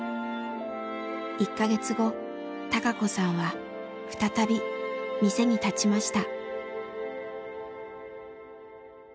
１か月後孝子さんは再び店に立ちました。